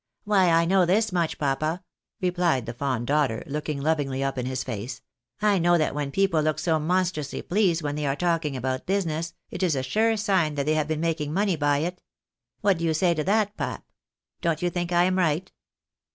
" "WTiy I know this much, papa," replied the fond daughter, looking lovingly up in his face, " I know that when people look so monstrously pleased when they are talking about business, it is a sure sign that they have been making money by it. What do you say to that, pap ? Don't you think I am right